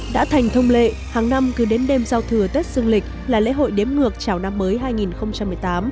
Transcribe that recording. đã thành thông lệ hàng năm cứ đến đêm giao thừa tết dương lịch là lễ hội đếm ngược chào năm mới hai nghìn một mươi tám